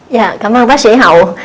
dạ cảm ơn bác sĩ hậu